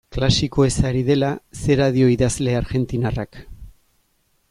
Klasikoez ari dela, zera dio idazle argentinarrak.